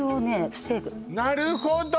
なるほど！